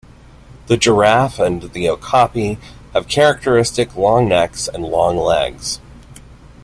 The giraffe and the okapi have characteristic long necks and long legs.